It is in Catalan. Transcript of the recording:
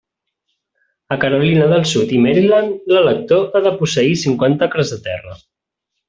A Carolina del Sud i Maryland, l'elector ha de posseir cinquanta acres de terra.